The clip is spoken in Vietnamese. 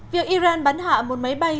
việc iran bắn hạ một máy bay